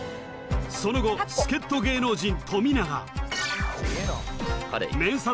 その後助っ人芸能人富永ＭＥＮＳＡ